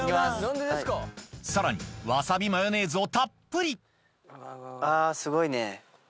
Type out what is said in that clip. さらにわさびマヨネーズをたっぷりすごいね。